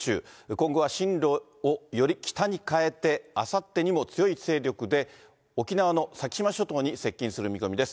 今後は進路をより北に変えて、あさってにも強い勢力で、沖縄の先島諸島に接近する見込みです。